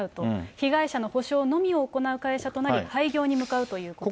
被害者の補償のみを行う会社となり、廃業に向かうということです。